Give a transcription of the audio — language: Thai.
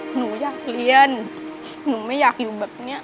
หนูอยากเรียนหนูไม่อยากอยู่แบบเนี้ย